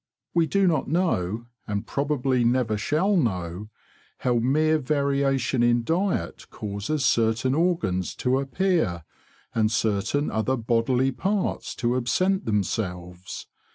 We do not know, and probably never shall know, how mere variation in diet causes certain organs to appear and certain other bodily parts to absent themselves.